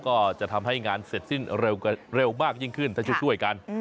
ก็จะทำให้งานเสร็จสิ้นเร็วมากยิ่งขึ้นถ้าช่วยกัน